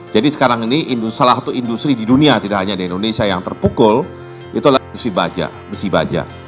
jadi sekarang ini salah satu industri di dunia tidak hanya di indonesia yang terpukul itu adalah industri baja besi baja